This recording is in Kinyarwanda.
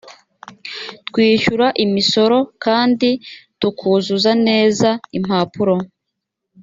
twishyura imisoro kandi tukuzuza neza impapuro